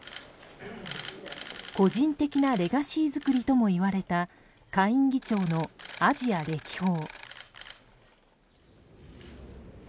個人的なレガシー作りともいわれた下院議長のアジア歴訪。